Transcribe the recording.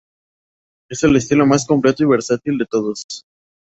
Es el estilo más completo y versátil de todos...